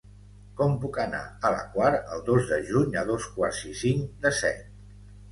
Com puc anar a la Quar el dos de juny a dos quarts i cinc de set?